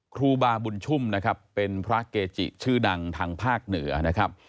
ครูบาบุญชุ่มนะครับเป็นพระเกจิชื่อดังทางภาคเหนือนะครับ